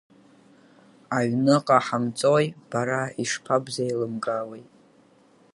Аҩны ҟаҳамҵои, бара, ишԥабзеилымкаауеи!